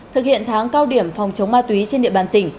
thực hiện tháng cao điểm phòng chống ma túy trên địa bàn tỉnh